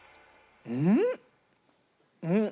うん？